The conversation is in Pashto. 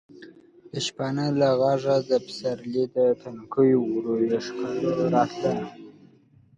د شپانه له غږه د پسرلي د تنکیو ورویو ښکالو راتله.